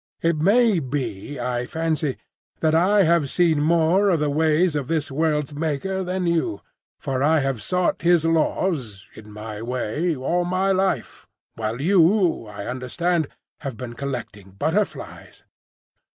It may be, I fancy, that I have seen more of the ways of this world's Maker than you,—for I have sought his laws, in my way, all my life, while you, I understand, have been collecting butterflies.